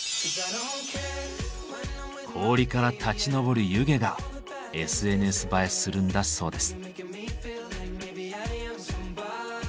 氷から立ち上る湯気がＳＮＳ映えするんだそうです。